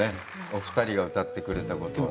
お二人が歌ってくれたことを。